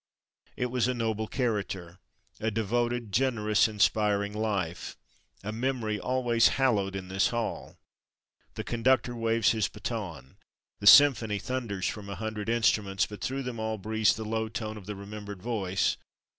It was a noble character; a devoted, generous, inspiring life, a memory always hallowed in this hall. The conductor waves his baton! The symphony thunders from a hundred instruments, but through them all breathes the low tone of the remembered voice.